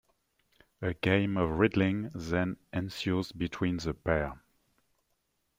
A game of riddling then ensues between the pair.